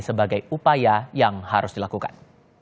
sebagai upaya yang harus dilakukan